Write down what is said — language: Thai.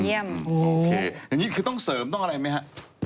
อย่างนี้คือต้องเสริมต้องอะไรไหมครับ